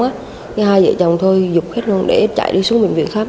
cái hai vợ chồng thôi dục hết luôn để chạy đi xuống bệnh viện khám